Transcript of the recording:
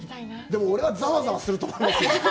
でも俺はざわざわすると思いますよ。